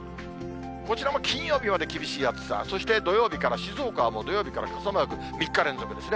こちらも金曜日まで厳しい暑さ、そして土曜日から静岡はもう土曜日から傘マーク、３日連続ですね。